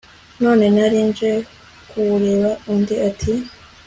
none nali nje kuwureba» Undi ati